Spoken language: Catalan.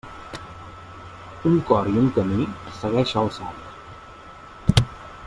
Un cor i un camí segueix el savi.